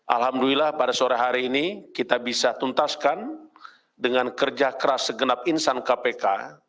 alhamdulillah pada sore hari ini kita bisa tuntaskan dengan kerja keras segenap insan kpk